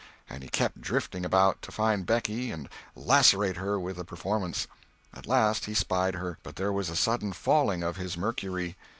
And he kept drifting about to find Becky and lacerate her with the performance. At last he spied her, but there was a sudden falling of his mercury.